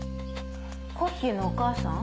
コッヒーのお母さん？